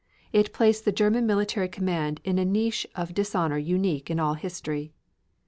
It placed the German military command in a niche of dishonor unique in all history.